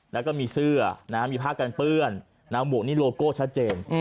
แล้วก็มีเสื้อมีผ้ากันเปื้อนน้ำหมวกนี่โลโก้ชัดเจน